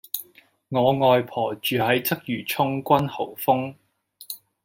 我外婆住喺鰂魚涌君豪峰